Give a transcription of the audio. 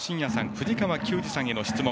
藤川球児さんへの質問。